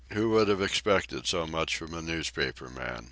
"Who would ever have expected so much from a newspaper man!"